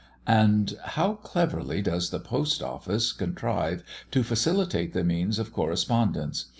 And how cleverly does the Post Office contrive to facilitate the means of correspondence!